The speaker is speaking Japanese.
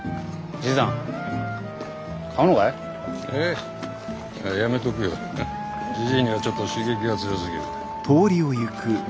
じじいにはちょっと刺激が強すぎる。